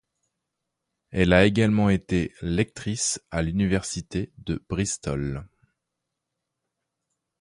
Elle a également été lectrice à l'université de Bristol.